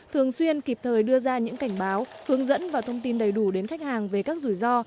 thường xuyên kịp thời đưa ra những cảnh báo hướng dẫn và thông tin đầy đủ đến khách hàng về các rủi ro